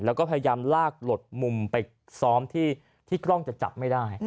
แล้วก็พยายามลากหลดมุมไปซ้อมที่กล้องจะจับไม่ได้